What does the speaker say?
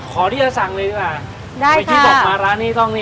ขอที่เราสั่งเลยดีกว่า